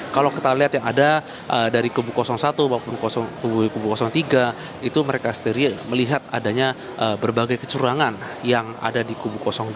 kalau kita lihat yang ada dari kubu satu maupun kubu kubu tiga itu mereka sendiri melihat adanya berbagai kecurangan yang ada di kubu dua